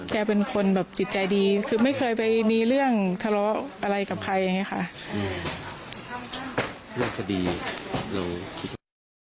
แกเป็นคนแบบจิตใจดีคือไม่เคยไปมีเรื่องทะเลาะอะไรกับใครอย่างนี้ค่ะ